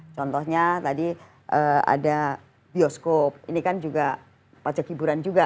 contohnya tadi ada bioskop ini kan juga pajak hiburan juga